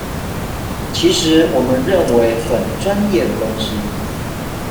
其實我們認為很專業的東西